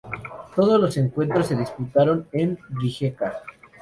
Todos los encuentros se disputaron en Rijeka.